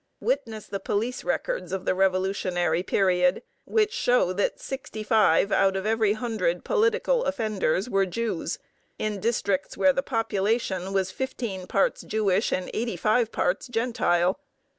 Witness the police records of the revolutionary period, which show that sixty five out of every hundred political offenders were Jews, in districts where the population was fifteen parts Jewish and eighty five parts Gentile.